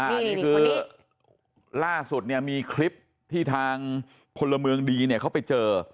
อันนี้คือล่าสุดเนี่ยมีคลิปที่ทางพลเมืองดีเนี่ยเขาไปเจอ